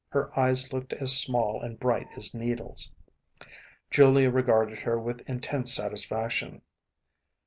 Her eyes looked as small and bright as needles. Julia regarded her with intense satisfaction.